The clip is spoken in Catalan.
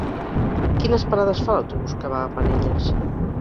Quines parades fa l'autobús que va a Penelles?